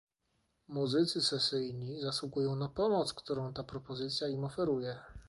Muzycy sesyjni zasługują na pomoc, którą ta propozycja im oferuje